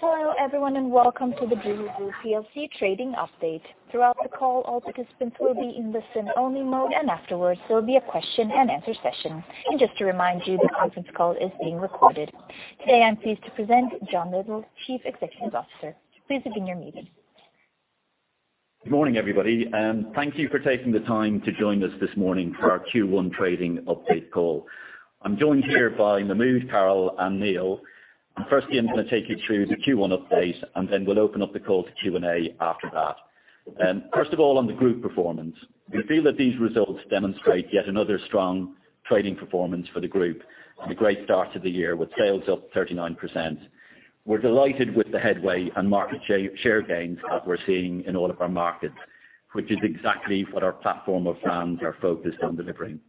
Hello, everyone, and welcome to the Boohoo Group PLC trading update. Throughout the call, all participants will be in listen-only mode, and afterwards, there will be a question-and-answer session. Just to remind you, the conference call is being recorded. Today, I'm pleased to present John Lyttle, Chief Executive Officer. Please begin your meeting. Good morning, everybody. Thank you for taking the time to join us this morning for our Q1 Trading Update Call. I'm joined here by Mahmud, Carol, and Neil. Firstly, I'm going to take you through the Q1 update, and then we'll open up the call to Q&A after that. First of all, on the group performance, we feel that these results demonstrate yet another strong trading performance for the group and a great start to the year with sales up 39%. We're delighted with the headway and market share gains that we're seeing in all of our markets, which is exactly what our platform of brands are focused on delivering.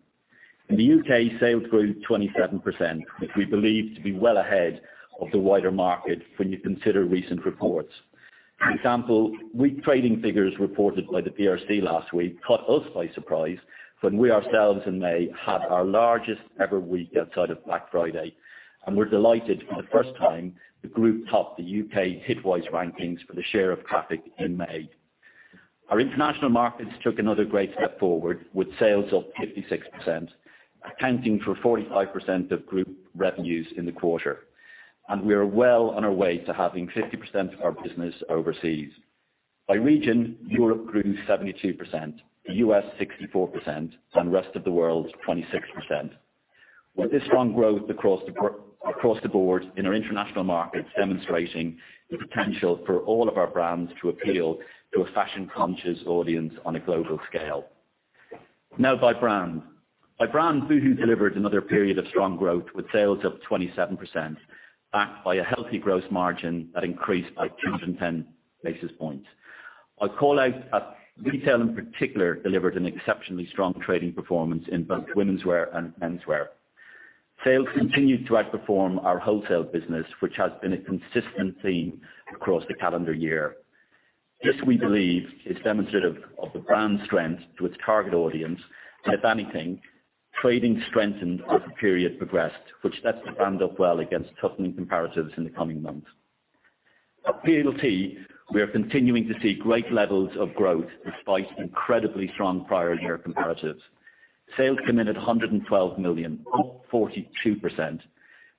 In the U.K., sales grew 27%, which we believe to be well ahead of the wider market when you consider recent reports. For example, weak trading figures reported by the BRC last week caught us by surprise when we ourselves in May had our largest ever week outside of Black Friday. We're delighted for the first time the group topped the U.K. Hitwise rankings for the share of traffic in May. Our international markets took another great step forward with sales up 56%, accounting for 45% of group revenues in the quarter. We are well on our way to having 50% of our business overseas. By region, Europe grew 72%, the U.S. 64%, and the rest of the world 26%. With this strong growth across the board in our international markets demonstrating the potential for all of our brands to appeal to a fashion-conscious audience on a global scale. Now, by brand, Boohoo delivered another period of strong growth with sales up 27%, backed by a healthy gross margin that increased by 210 basis points. I'll call out that retail in particular delivered an exceptionally strong trading performance in both women's wear and men's wear. Sales continued to outperform our wholesale business, which has been a consistent theme across the calendar year. This, we believe, is demonstrative of the brand's strength to its target audience. If anything, trading strengthened as the period progressed, which sets the brand up well against toughening comparatives in the coming months. At PLT, we are continuing to see great levels of growth despite incredibly strong prior year comparatives. Sales hit 112 million, up 42%.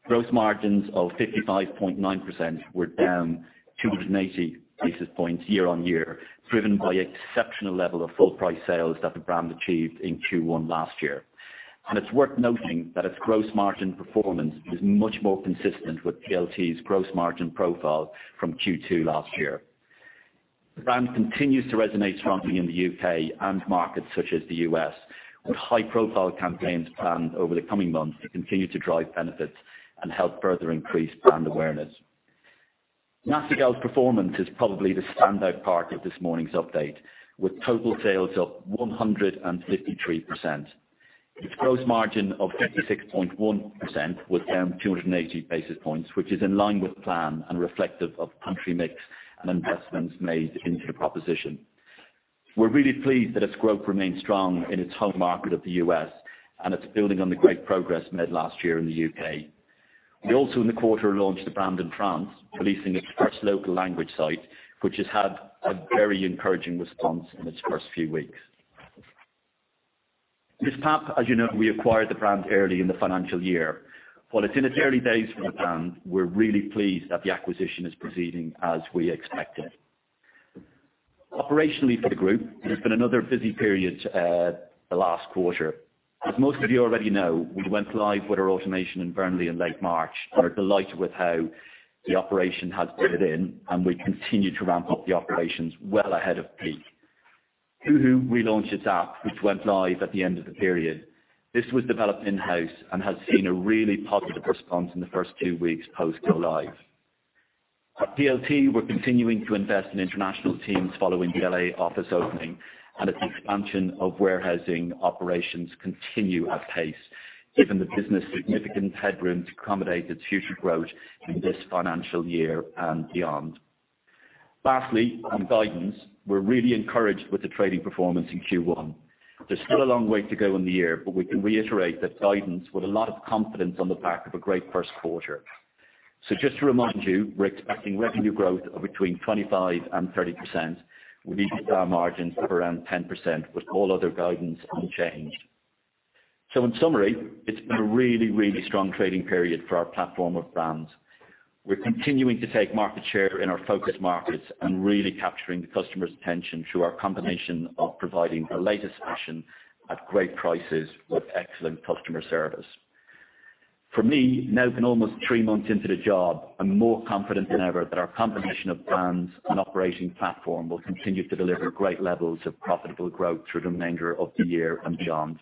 Gross margins of 55.9% were down 280 basis points year on year, driven by an exceptional level of full-price sales that the brand achieved in Q1 last year. It's worth noting that its gross margin performance is much more consistent with PLT's gross margin profile from Q2 last year. The brand continues to resonate strongly in the U.K. and markets such as the U.S., with high-profile campaigns planned over the coming months to continue to drive benefits and help further increase brand awareness. Nasty Gal's performance is probably the standout part of this morning's update, with total sales up 153%. Its gross margin of 56.1% was down 280 basis points, which is in line with plan and reflective of the country mix and investments made into the proposition. We're really pleased that its growth remains strong in its home market of the U.S., and it's building on the great progress made last year in the U.K. We also, in the quarter, launched the brand in France, releasing its first local language site, which has had a very encouraging response in its first few weeks. MissPap, as you know, we acquired the brand early in the financial year. While it's in its early days for the brand, we're really pleased that the acquisition is proceeding as we expected. Operationally, for the group, there's been another busy period the last quarter. As most of you already know, we went live with our automation in Burnley in late March, and we're delighted with how the operation has bedded it in, and we continue to ramp up the operations well ahead of peak. Boohoo relaunched its app, which went live at the end of the period. This was developed in-house and has seen a really positive response in the first two weeks post-go live. At PLT, we're continuing to invest in international teams following the L.A. office opening, and its expansion of warehousing operations continue at pace, giving the business significant headroom to accommodate its future growth in this financial year and beyond. Lastly, on guidance, we're really encouraged with the trading performance in Q1. There's still a long way to go in the year, but we can reiterate that guidance with a lot of confidence on the back of a great first quarter. So just to remind you, we're expecting revenue growth of between 25%-30%, with EBITDA margins of around 10%, with all other guidance unchanged. So in summary, it's been a really, really strong trading period for our platform of brands. We're continuing to take market share in our focus markets and really capturing the customer's attention through our combination of providing the latest fashion at great prices with excellent customer service. For me, now we're almost three months into the job, I'm more confident than ever that our combination of brands and operating platform will continue to deliver great levels of profitable growth through the remainder of the year and beyond.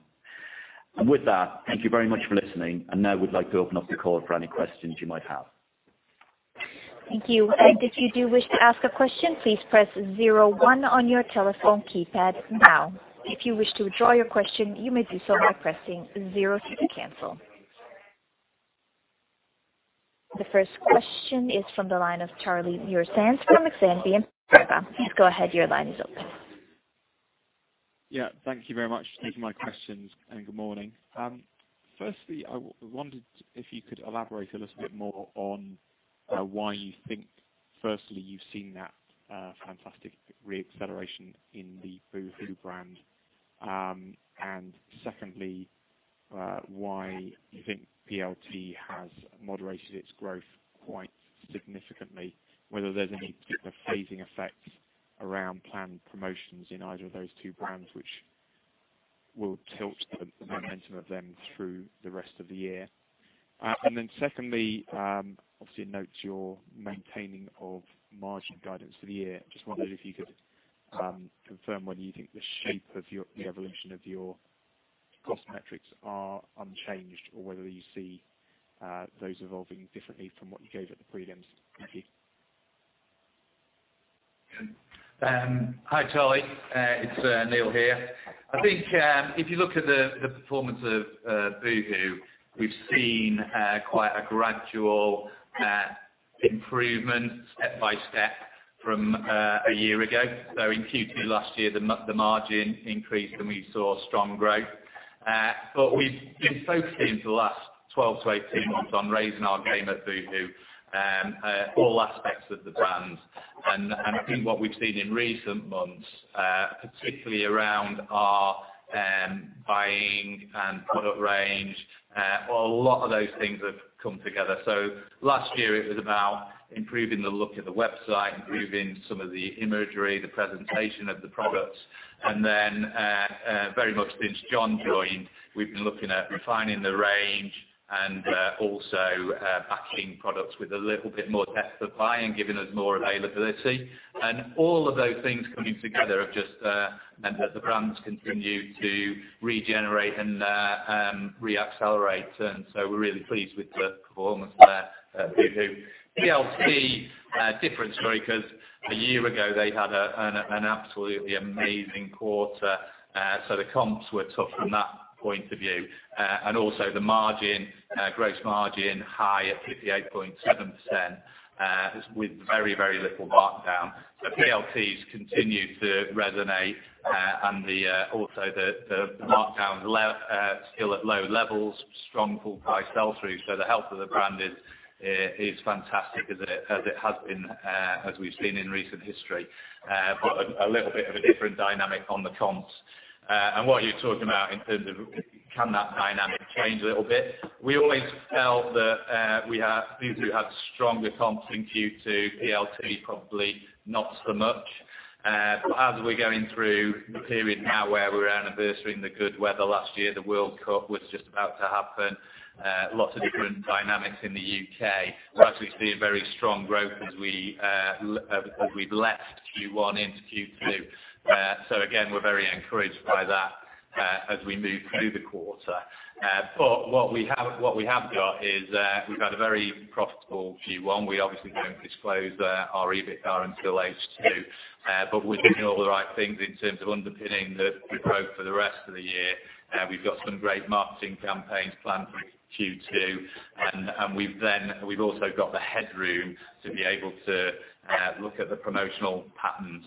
With that, thank you very much for listening, and now we'd like to open up the call for any questions you might have. Thank you. If you do wish to ask a question, please press 01 on your telephone keypad now. If you wish to withdraw your question, you may do so by pressing 02 to cancel. The first question is from the line of Charlie Muir-Sands from Exane BNP Paribas. Please go ahead. Your line is open. Yeah. Thank you very much for taking my questions. Good morning. Firstly, I wondered if you could elaborate a little bit more on why you think, firstly, you've seen that fantastic reacceleration in the Boohoo brand, and secondly, why you think PLT has moderated its growth quite significantly, whether there's any particular phasing effects around planned promotions in either of those two brands, which will tilt the momentum of them through the rest of the year. Then secondly, obviously noting your maintaining of margin guidance for the year. Just wondered if you could confirm whether you think the shape of the evolution of your cost metrics are unchanged or whether you see those evolving differently from what you gave at the pre-events. Thank you. Hi, Charlie. It's Neil here. I think if you look at the performance of Boohoo, we've seen quite a gradual improvement step by step from a year ago. In Q2 last year, the margin increased and we saw strong growth. But we've been focusing for the last 12-18 months on raising our game at Boohoo, all aspects of the brand. I think what we've seen in recent months, particularly around our buying and product range, a lot of those things have come together. Last year, it was about improving the look of the website, improving some of the imagery, the presentation of the products. Then very much since John joined, we've been looking at refining the range and also backing products with a little bit more depth of buying, giving us more availability. And all of those things coming together have just meant that the brands continue to regenerate and reaccelerate. And so we're really pleased with the performance of Boohoo. PLT, different story because a year ago, they had an absolutely amazing quarter. So the comps were tough from that point of view. And also the margin, gross margin, high at 58.7% with very, very little markdown. So PLT's continued to resonate, and also the markdown's still at low levels, strong full-price sell-through. So the health of the brand is fantastic as it has been, as we've seen in recent history, but a little bit of a different dynamic on the comps. And what you're talking about in terms of can that dynamic change a little bit. We always felt that Boohoo had stronger comps in Q2. PLT probably not so much. But as we're going through the period now where we're anniversarying the good weather last year, the World Cup was just about to happen, lots of different dynamics in the U.K. We're actually seeing very strong growth as we've left Q1 into Q2. So again, we're very encouraged by that as we move through the quarter. But what we have got is we've had a very profitable Q1. We obviously don't disclose our EBITDA until H2, but we're doing all the right things in terms of underpinning the growth for the rest of the year. We've got some great marketing campaigns planned for Q2, and we've also got the headroom to be able to look at the promotional patterns.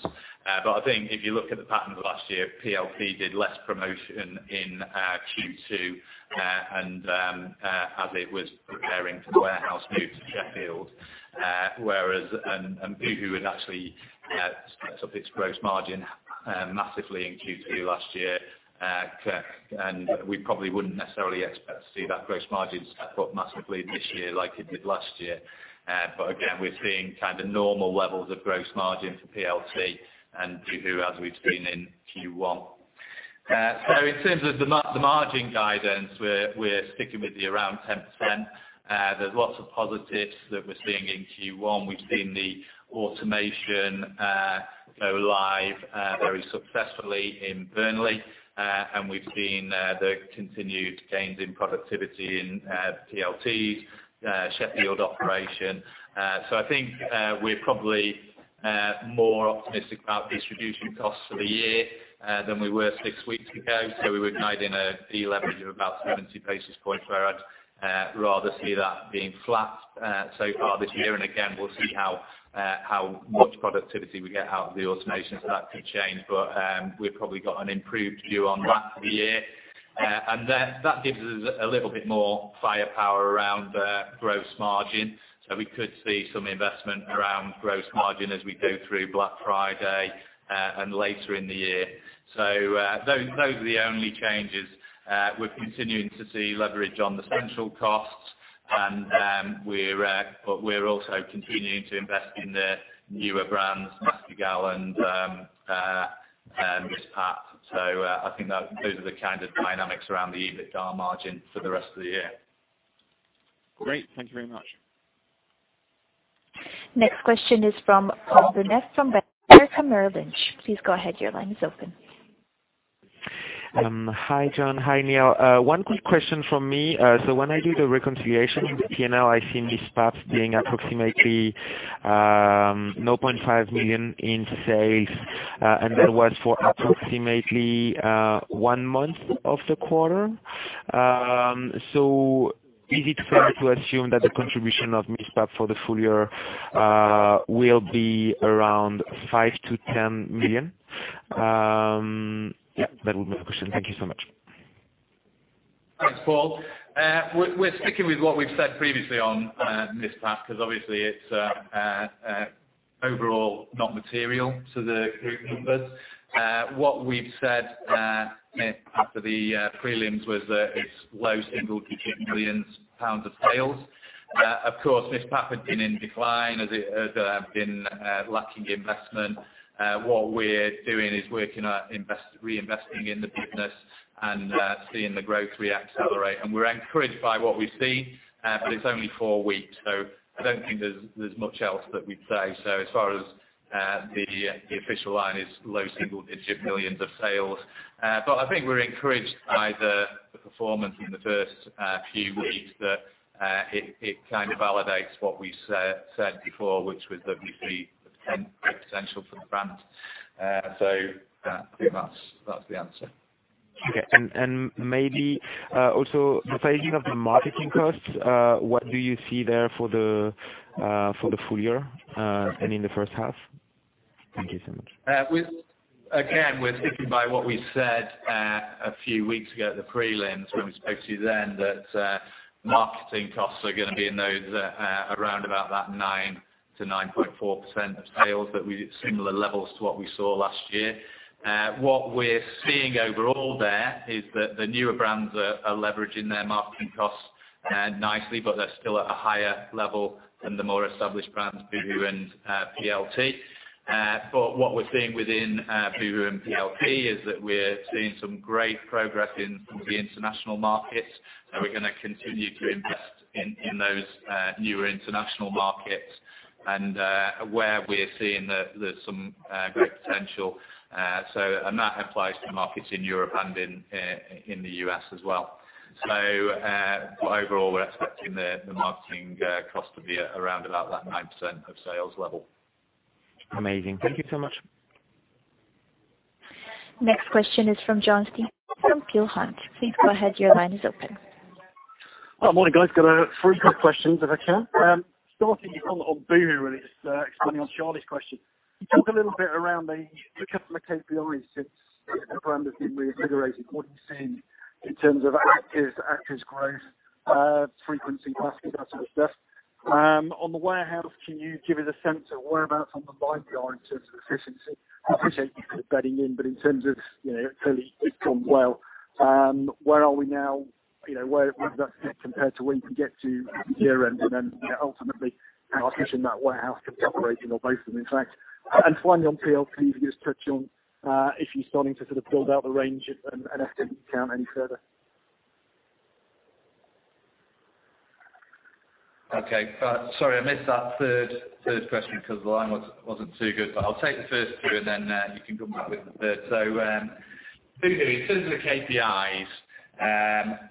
But I think if you look at the patterns last year, PLT did less promotion in Q2 as it was preparing for the warehouse move to Sheffield, whereas Boohoo had actually stepped up its gross margin massively in Q2 last year. And we probably wouldn't necessarily expect to see that gross margin step up massively this year like it did last year. But again, we're seeing kind of normal levels of gross margin for PLT and Boohoo as we've seen in Q1. So in terms of the margin guidance, we're sticking with around 10%. There's lots of positives that we're seeing in Q1. We've seen the automation go live very successfully in Burnley, and we've seen the continued gains in productivity in PLT's Sheffield operation. So I think we're probably more optimistic about distribution costs for the year than we were six weeks ago. So we were guiding a deleverage of about 70 basis points, where I'd rather see that being flat so far this year. And again, we'll see how much productivity we get out of the automations. That could change, but we've probably got an improved view on that for the year. And that gives us a little bit more firepower around gross margin. So we could see some investment around gross margin as we go through Black Friday and later in the year. So those are the only changes. We're continuing to see leverage on the central costs, but we're also continuing to invest in the newer brands, Nasty Gal and MissPap. So I think those are the kind of dynamics around the EBITDA margin for the rest of the year. Great. Thank you very much. Next question is from Paul Rossington from Bank of America Merrill Lynch. Please go ahead. Your line is open. Hi, John. Hi, Neil. One quick question from me. So when I do the reconciliation in the P&L, I've seen MissPap being approximately 0.5 million in sales, and that was for approximately one month of the quarter. So is it fair to assume that the contribution of MissPap for the full year will be around 5 million-10 million? Yeah, that would be my question. Thank you so much. Thanks, Paul. We're sticking with what we've said previously on MissPap because obviously, it's overall not material to the group numbers. What we've said after the pre-events was it's low single-digit millions GBP of sales. Of course, MissPap had been in decline as it had been lacking investment. What we're doing is working on reinvesting in the business and seeing the growth reaccelerate. And we're encouraged by what we've seen, but it's only four weeks. So I don't think there's much else that we'd say. So as far as the official line is low single-digit millions GBP of sales. But I think we're encouraged by the performance in the first few weeks that it kind of validates what we said before, which was that we see great potential for the brand. So I think that's the answer. Okay. And maybe also the phasing of the marketing costs, what do you see there for the full year and in the first half? Thank you so much. Again, we're sticking by what we said a few weeks ago at the pre-events when we spoke to you then that marketing costs are going to be around about that 9%-9.4% of sales at similar levels to what we saw last year. What we're seeing overall there is that the newer brands are leveraging their marketing costs nicely, but they're still at a higher level than the more established brands, Boohoo and PLT. But what we're seeing within Boohoo and PLT is that we're seeing some great progress in some of the international markets. So we're going to continue to invest in those newer international markets and where we're seeing there's some great potential. And that applies to markets in Europe and in the U.S. as well. So overall, we're expecting the marketing cost to be around about that 9% of sales level. Amazing. Thank you so much. Next question is from John Stevenson from Peel Hunt. Please go ahead. Your line is open. Hi, morning, guys. Got three quick questions if I can. Starting on Boohoo and expanding on Charlie's question. You talk a little bit around the customer KPIs since the brand has been reinvigorated. What are you seeing in terms of active growth, frequency, baskets, that sort of stuff? On the warehouse, can you give us a sense of whereabouts on the line you are in terms of efficiency? We appreciate you for bedding in, but clearly, it's gone well. Where are we now? Where is that compared to where you can get to year-end and then ultimately how efficient that warehouse can be operating or both of them? In fact, and finally on PLT, if you could just touch on if you're starting to sort of build out the range and SKU count any further. Okay. Sorry, I missed that third question because the line wasn't too good, but I'll take the first two and then you can come back with the third. So Boohoo, in terms of the KPIs,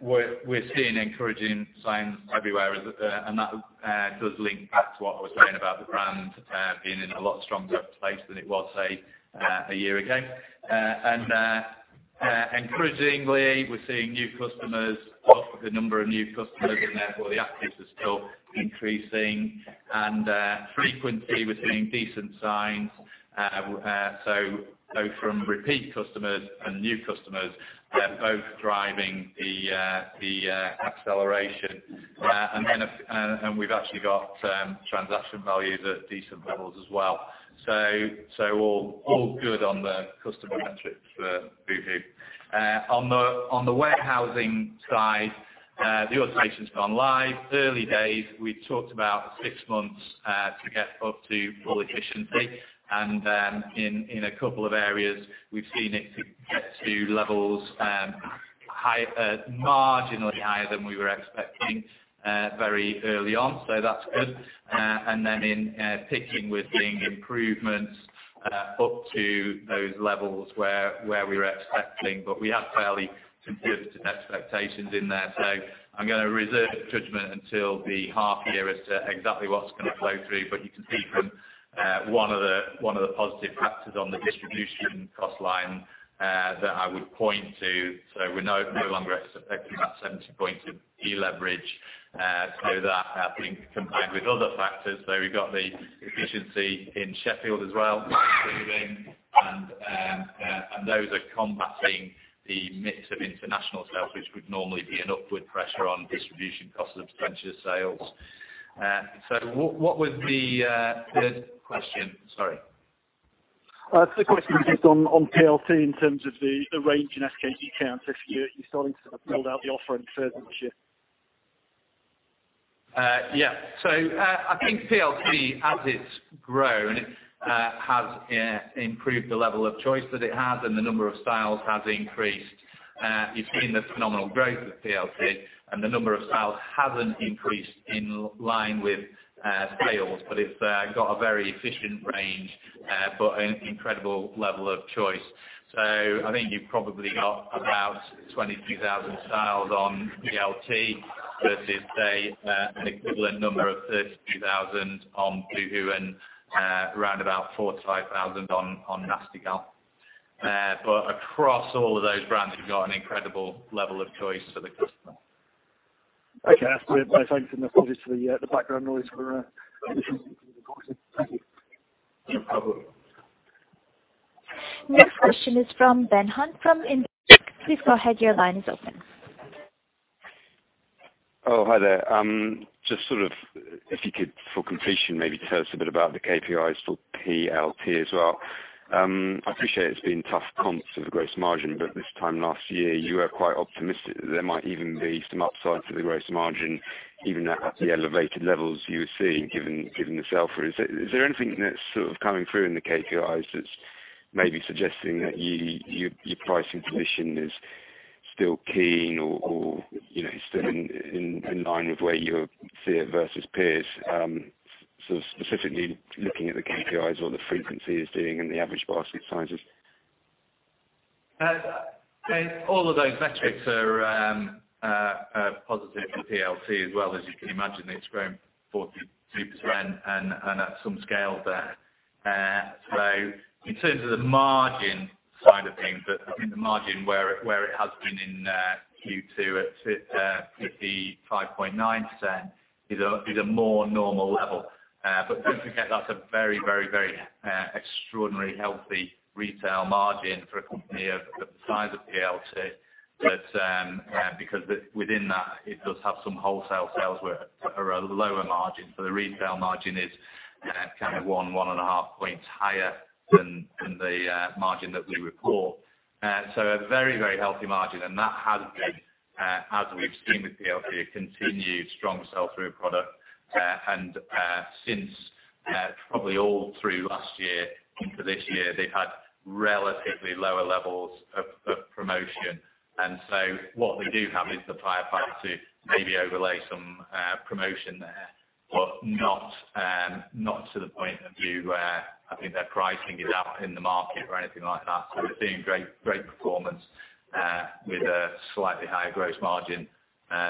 we're seeing encouraging signs everywhere, and that does link back to what I was saying about the brand being in a lot stronger place than it was a year ago. Encouragingly, we're seeing new customers, lots of the number of new customers, and therefore the active is still increasing. Frequency, we're seeing decent signs. Both from repeat customers and new customers, both driving the acceleration. We've actually got transaction values at decent levels as well. All good on the customer metrics for Boohoo. On the warehousing side, the automation's gone live. Early days, we talked about six months to get up to full efficiency. And in a couple of areas, we've seen it get to levels marginally higher than we were expecting very early on. So that's good. And then in picking, we're seeing improvements up to those levels where we were expecting, but we have fairly conservative expectations in there. So I'm going to reserve judgment until the half year as to exactly what's going to flow through, but you can see from one of the positive factors on the distribution cost line that I would point to. So we're no longer expecting that 70 points of deleverage. So that, I think, combined with other factors. So we've got the efficiency in Sheffield as well, Boohoo then, and those are combating the mix of international sales, which would normally be an upward pressure on distribution costs of potential sales. So what was the third question? Sorry. Third question was just on PLT in terms of the range and SKU count. If you're starting to sort of build out the offering further this year. Yeah. So I think PLT, as it's grown, has improved the level of choice that it has and the number of styles has increased. You've seen the phenomenal growth of PLT, and the number of styles hasn't increased in line with sales, but it's got a very efficient range but an incredible level of choice. So I think you've probably got about 22,000 styles on PLT versus, say, an equivalent number of 32,000 on Boohoo and around about 4,000-5,000 on Nasty Gal. But across all of those brands, you've got an incredible level of choice for the customer. Okay. I'll just say thanks for the background noise for the recording. Thank you. No problem. Next question is from Ben Hunt from Investec. Please go ahead. Your line is open. Oh, hi there. Just sort of, if you could, for completion, maybe tell us a bit about the KPIs for PLT as well. I appreciate it's been tough comps of the gross margin, but this time last year, you were quite optimistic that there might even be some upside to the gross margin, even at the elevated levels you were seeing given the sell-through. Is there anything that's sort of coming through in the KPIs that's maybe suggesting that your pricing position is still keen or is still in line with where you see it versus peers? So specifically looking at the KPIs or the frequency is doing and the average basket sizes. All of those metrics are positive for PLT as well. As you can imagine, it's grown 42% and at some scale there. In terms of the margin side of things, I think the margin where it has been in Q2 at 55.9% is a more normal level. But don't forget, that's a very, very, very extraordinarily healthy retail margin for a company of the size of PLT. Because within that, it does have some wholesale sales that are a lower margin. The retail margin is kind of one, one and a half points higher than the margin that we report. A very, very healthy margin. That has been, as we've seen with PLT, a continued strong sell-through product. Since probably all through last year into this year, they've had relatively lower levels of promotion. So what they do have is the firepower to maybe overlay some promotion there, but not to the point of view where I think their pricing is out in the market or anything like that. We're seeing great performance with a slightly higher gross margin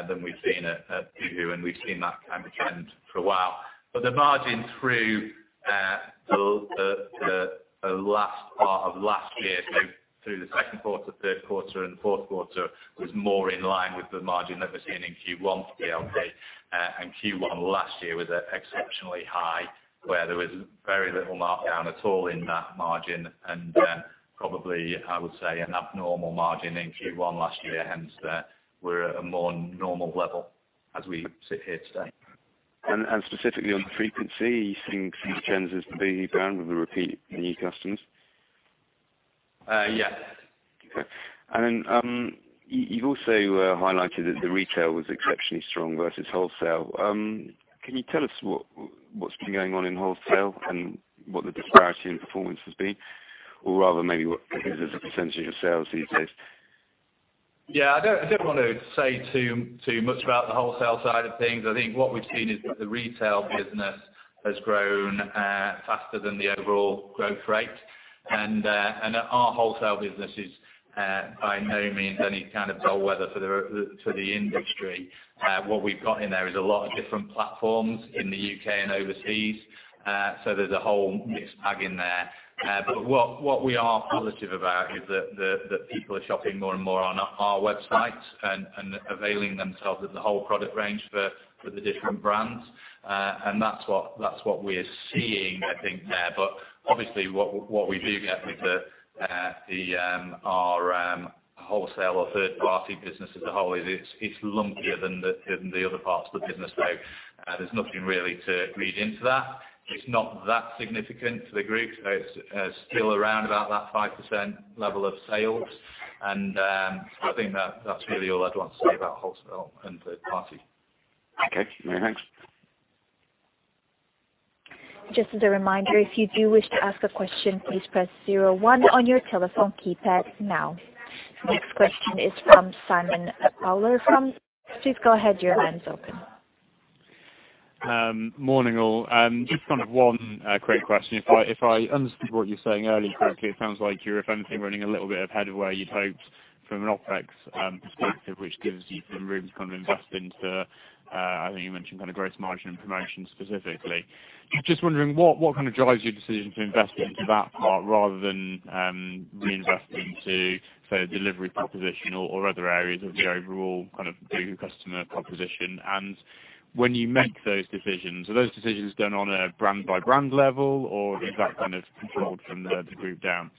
than we've seen at Boohoo, and we've seen that kind of trend for a while. But the margin through the last part of last year, so through the second quarter, third quarter, and fourth quarter, was more in line with the margin that we're seeing in Q1 for PLT. Q1 last year was exceptionally high, where there was very little markdown at all in that margin. Probably, I would say, an abnormal margin in Q1 last year. Hence, we're at a more normal level as we sit here today. Specifically on the frequency, are you seeing some trends as the Boohoo brand with the repeat new customers? Yes. Okay. And then you've also highlighted that the retail was exceptionally strong versus wholesale. Can you tell us what's been going on in wholesale and what the disparity in performance has been? Or rather, maybe what is the percentage of sales these days? Yeah. I don't want to say too much about the wholesale side of things. I think what we've seen is that the retail business has grown faster than the overall growth rate. Our wholesale business is by no means any kind of bellwether for the industry. What we've got in there is a lot of different platforms in the UK and overseas. So there's a whole mixed bag in there. But what we are positive about is that people are shopping more and more on our website and availing themselves of the whole product range for the different brands. That's what we're seeing, I think, there. Obviously, what we do get with our wholesale or third-party business as a whole is it's lumpier than the other parts of the business. So there's nothing really to read into that. It's not that significant for the group. It's still around about that 5% level of sales. I think that's really all I'd want to say about wholesale and third-party. Okay. Very thanks. Just as a reminder, if you do wish to ask a question, please press 01 on your telephone keypad now. Next question is from Simon Bowler from Lynnot Partners. Please go ahead. Your line is open. Morning, all. Just kind of one quick question. If I understood what you're saying earlier correctly, it sounds like you're, if anything, running a little bit ahead of where you'd hoped from an OpEx perspective, which gives you some room to kind of invest into, I think you mentioned kind of gross margin and promotion specifically. Just wondering what kind of drives your decision to invest into that part rather than reinvest into, say, a delivery proposition or other areas of the overall kind of Boohoo customer proposition? And when you make those decisions, are those decisions done on a brand-by-brand level or is that kind of controlled from the group down?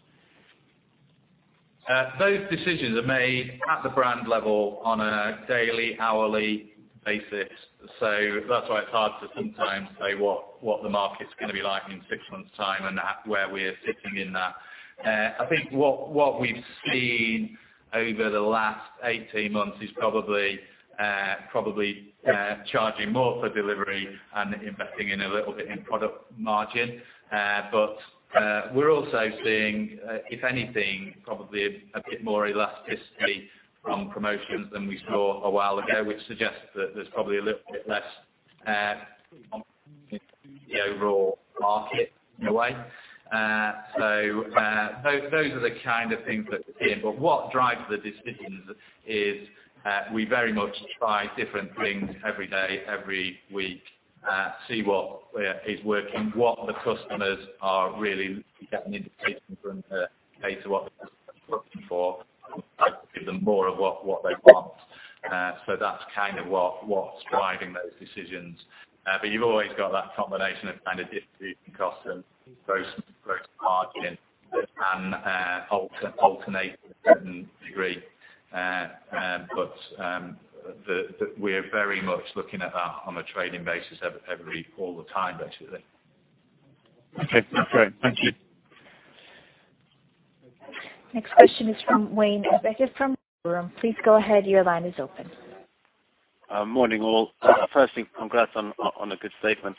Those decisions are made at the brand level on a daily, hourly basis. So that's why it's hard to sometimes say what the market's going to be like in six months' time and where we're sitting in that. I think what we've seen over the last 18 months is probably charging more for delivery and investing in a little bit in product margin. But we're also seeing, if anything, probably a bit more elasticity from promotions than we saw a while ago, which suggests that there's probably a little bit less on the overall market in a way. So those are the kind of things that we're seeing. But what drives the decisions is we very much try different things every day, every week, see what is working, what the customers are really getting indication from, okay, to what the customers are looking for, give them more of what they want. So that's kind of what's driving those decisions. But you've always got that combination of kind of distribution costs and gross margin and alternate to a certain degree. But we're very much looking at that on a trading basis all the time, basically. Okay. Great. Thank you. Next question is from Wayne Brown from Liberum. Please go ahead. Your line is open. Morning, all. Firstly, congrats on a good statement.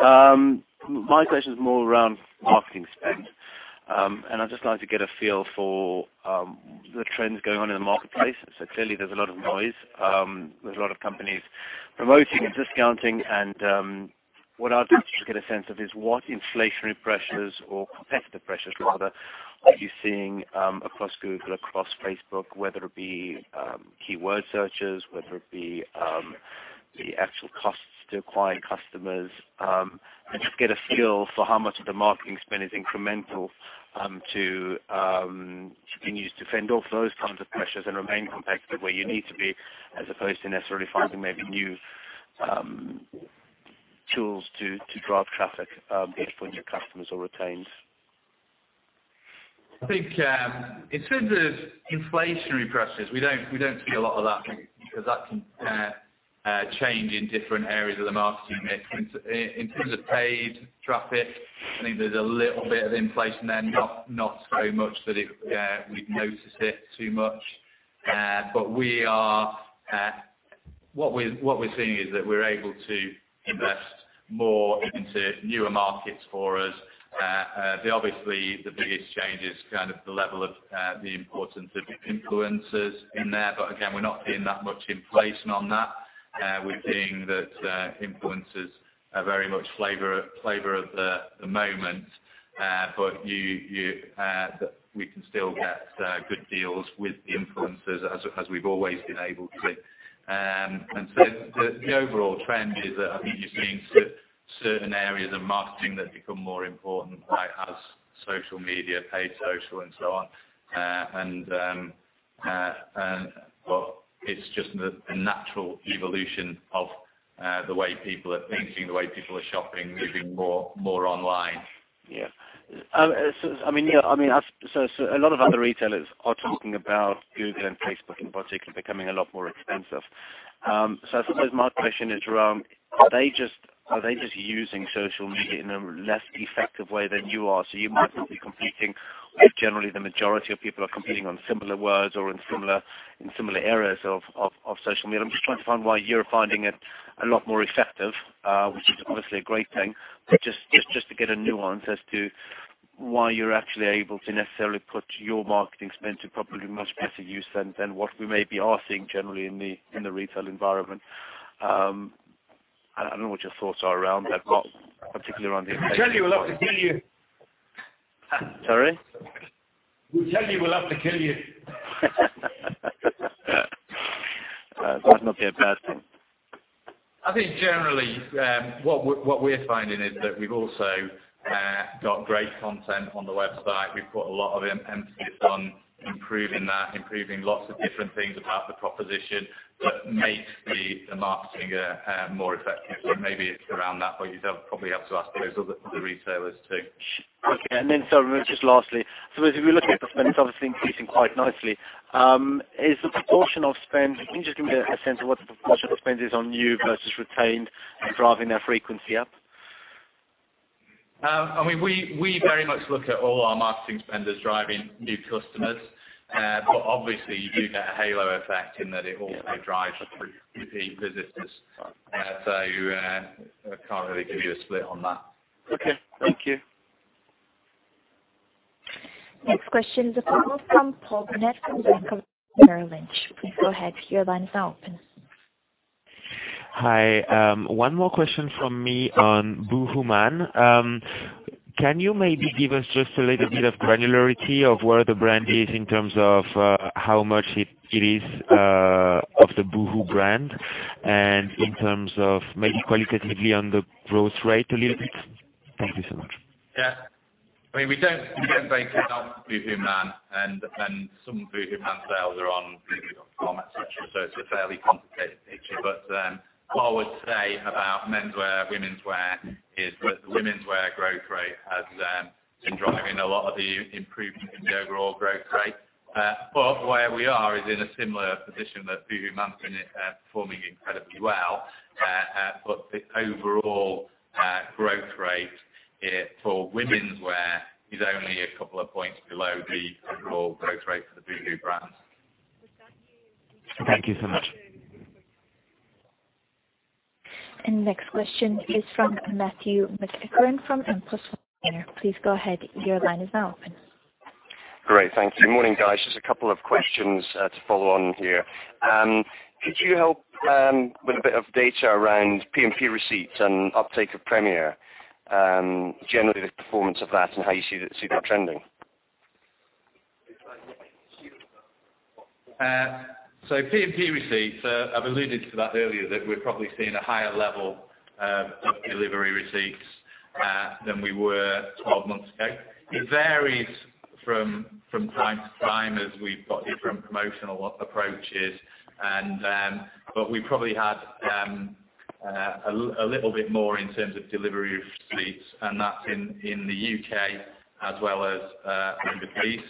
My question is more around marketing spend. I'd just like to get a feel for the trends going on in the marketplace. Clearly, there's a lot of noise. There's a lot of companies promoting and discounting. What I'd like to get a sense of is what inflationary pressures or competitive pressures, rather, are you seeing across Google, across Facebook, whether it be keyword searches, whether it be the actual costs to acquire customers? Just get a feel for how much of the marketing spend is incremental to use to fend off those kinds of pressures and remain competitive where you need to be, as opposed to necessarily finding maybe new tools to drive traffic, be it for new customers or retained. I think in terms of inflationary pressures, we don't see a lot of that because that can change in different areas of the marketing mix. In terms of paid traffic, I think there's a little bit of inflation there, not so much that we notice it too much. But what we're seeing is that we're able to invest more into newer markets for us. Obviously, the biggest change is kind of the level of the importance of influencers in there. But again, we're not seeing that much inflation on that. We're seeing that influencers are very much flavor of the moment. But we can still get good deals with influencers, as we've always been able to. And so the overall trend is that I think you're seeing certain areas of marketing that become more important, like social media, paid social, and so on. But it's just the natural evolution of the way people are thinking, the way people are shopping, moving more online. Yeah. I mean, yeah. I mean, so a lot of other retailers are talking about Google and Facebook in particular becoming a lot more expensive. So I suppose my question is around, are they just using social media in a less effective way than you are? So you might not be competing with generally the majority of people are competing on similar words or in similar areas of social media. I'm just trying to find why you're finding it a lot more effective, which is obviously a great thing. But just to get a nuance as to why you're actually able to necessarily put your marketing spend to probably much better use than what we may be asking generally in the retail environment. I don't know what your thoughts are around that, particularly around the inflationary pressure. We tell you we'll have to kill you. Sorry? We tell you we'll have to kill you. That might not be a bad thing. I think generally, what we're finding is that we've also got great content on the website. We've put a lot of emphasis on improving that, improving lots of different things about the proposition that makes the marketing more effective. So maybe it's around that, but you'd probably have to ask those other retailers too. Okay. Just lastly, I suppose if we look at the spend, it's obviously increasing quite nicely. Is the proportion of spend, can you just give me a sense of what the proportion of spend is on new versus retained and driving that frequency up? I mean, we very much look at all our marketing spend as driving new customers. But obviously, you do get a halo effect in that it also drives repeat visitors. So I can't really give you a split on that. Okay. Thank you. Next question is a call from Paul Rossington from Bank of America Merrill Lynch. Please go ahead. Your line is now open. Hi. One more question from me on boohooMAN. Can you maybe give us just a little bit of granularity of where the brand is in terms of how much it is of the Boohoo brand and in terms of maybe qualitatively on the growth rate a little bit? Thank you so much. Yeah. I mean, we don't give very good guidance on boohooMAN. And some boohooMAN sales are on etc. So it's a fairly complicated picture. But what I would say about men's wear, women's wear is that the women's wear growth rate has been driving a lot of the improvement in the overall growth rate. But where we are is in a similar position that boohooMAN's been performing incredibly well. But the overall growth rate for women's wear is only a couple of points below the overall growth rate for the Boohoo brand. Thank you so much. Next question is from Matthew McEachran from Singer Capital Markets. Please go ahead. Your line is now open. Great. Thank you. Morning, guys. Just a couple of questions to follow on here. Could you help with a bit of data around P&P receipts and uptake of Premier? Generally, the performance of that and how you see that trending. So P&P receipts, I've alluded to that earlier, that we're probably seeing a higher level of delivery receipts than we were 12 months ago. It varies from time to time as we've got different promotional approaches. But we probably had a little bit more in terms of delivery receipts, and that's in the U.K. as well as overseas.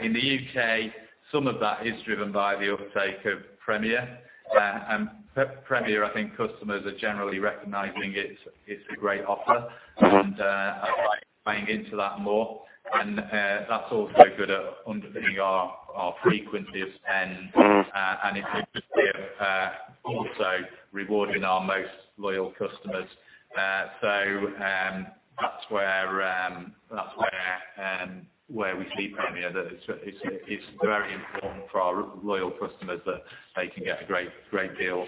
In the U.K., some of that is driven by the uptake of Premier. And Premier, I think customers are generally recognizing it's a great offer and are buying into that more. And that's also good at underpinning our frequency of spend. And it's also rewarding our most loyal customers. So that's where we see Premier. It's very important for our loyal customers that they can get a great deal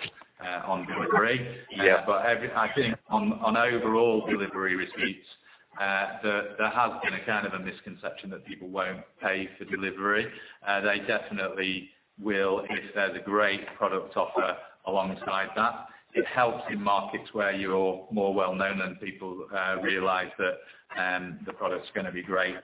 on delivery. But I think on overall delivery receipts, there has been a kind of a misconception that people won't pay for delivery. They definitely will if there's a great product offer alongside that. It helps in markets where you're more well-known and people realize that the product's going to be great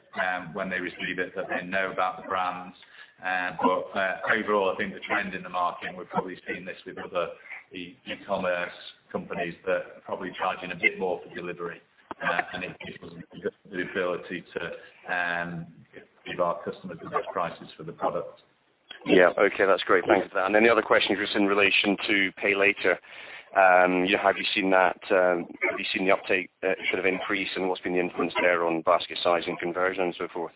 when they receive it, that they know about the brands. But overall, I think the trend in the market, and we've probably seen this with other e-commerce companies, that are probably charging a bit more for delivery. It gives us the ability to give our customers the best prices for the product. Yeah. Okay. That's great. Thanks for that. And then the other question is just in relation to pay later. Have you seen that? Have you seen the uptake sort of increase? And what's been the influence there on basket size and conversion and so forth?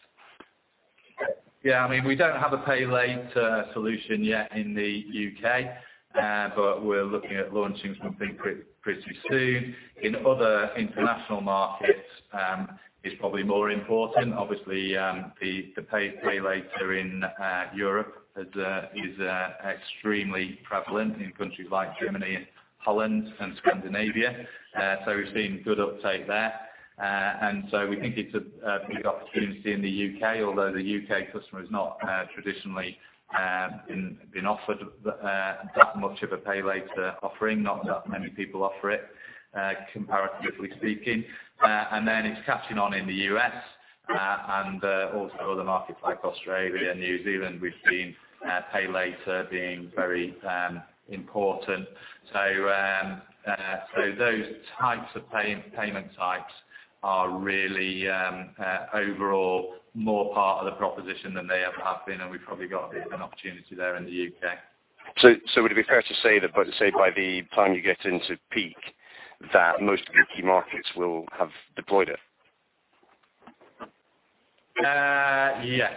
Yeah. I mean, we don't have a pay later solution yet in the U.K., but we're looking at launching something pretty soon. In other international markets, it's probably more important. Obviously, the pay later in Europe is extremely prevalent in countries like Germany, Holland, and Scandinavia. So we've seen good uptake there. And so we think it's a big opportunity in the U.K., although the U.K. customer has not traditionally been offered that much of a pay later offering. Not that many people offer it, comparatively speaking. And then it's catching on in the U.S. and also other markets like Australia and New Zealand. We've seen pay later being very important. So those types of payment types are really, overall, more part of the proposition than they ever have been. And we've probably got an opportunity there in the U.K. Would it be fair to say that, say, by the time you get into peak, that most of the key markets will have deployed it? Yes.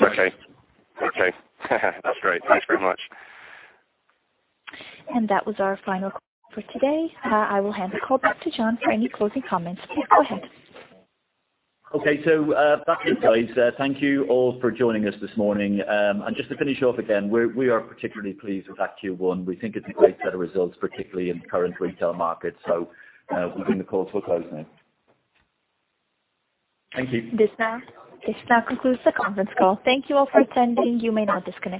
Okay. Okay. That's great. Thanks very much. That was our final call for today. I will hand the call back to John for any closing comments. Please go ahead. Okay. Back to you, guys. Thank you all for joining us this morning. Just to finish off again, we are particularly pleased with Q1. We think it's a great set of results, particularly in the current retail market. We'll bring the call to a close now. Thank you. This now concludes the conference call. Thank you all for attending. You may now disconnect.